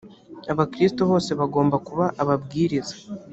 abakristo bose bagomba kuba ababwiriza